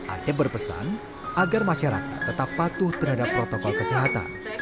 ade berpesan agar masyarakat tetap patuh terhadap protokol kesehatan